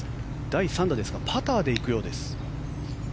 第３打ですがパターで行くようです。